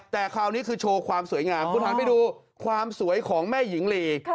แต่คราวนี้คือโชว์ความสวยงามคุณหันไปดูความสวยของแม่หญิงลี